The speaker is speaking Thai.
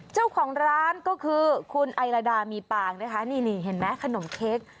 เจ้าของร้านก็คือคุณไอลาดามีปางนะคะนี่นี่เห็นไหมขนมเค้ก